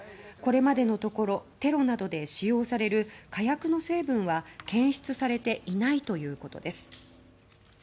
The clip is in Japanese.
これまでのところテロなどで使用される火薬の成分は検出されていないということです。